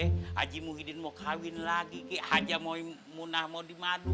haji mu hidin mau kawin lagi haja mau munah mau dimadu